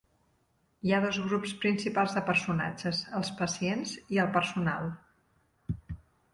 Hi ha dos grups principals de personatges, els pacients i el personal.